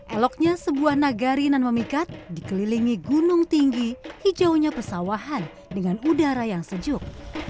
eloknya sebuah nagari dan memikat dikelilingi gunung tinggi hijaunya persawahan dengan udara yang sejuk